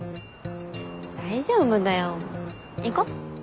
大丈夫だよ行こ。